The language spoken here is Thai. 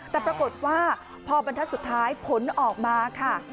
แต่ปรากฏว่าพอบรรทัศน์สุดท้ายผลออกมาค่ะ